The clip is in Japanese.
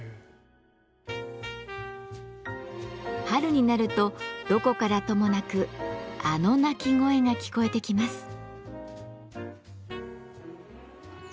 春になるとどこからともなくあの鳴き声が聞こえてきます。